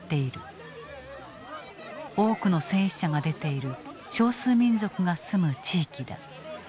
多くの戦死者が出ている少数民族が住む地域だ。